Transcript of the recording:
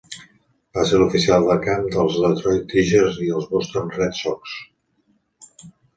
Va ser l'oficial de camp dels Detroit Tigers i els Boston Red Sox.